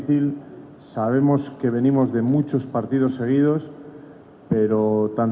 kita tahu kita datang dari banyak pertandingan yang selalu